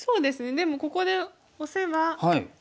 でもここでオセば。